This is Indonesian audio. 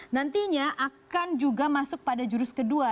nantinya akan juga masuk pada jurus kedua